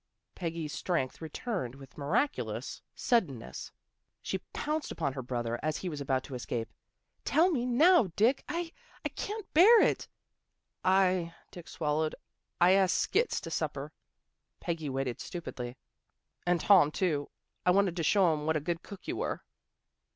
Peggy's strength returned with miraculous 228 THE GIRLS OF FRIENDLY TERRACE suddenness. She pounced upon her brother as he was about to escape. " Tell me now, Dick. I I can bear it." " I " Dick swallowed. " I asked Skits to supper." Peggy waited stupidly. " And Tom, too. I wanted to show 'em what a good cook you were."